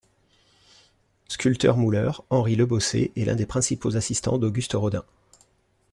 Sculpteur-mouleur, Henri Lebossé est l'un des principaux assistants d'Auguste Rodin.